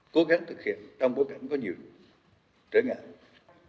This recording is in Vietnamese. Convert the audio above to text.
cố gắng thực hiện trong bối cảnh có nhiều trở ngại